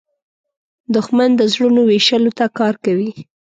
دښمن د زړونو ویشلو ته کار کوي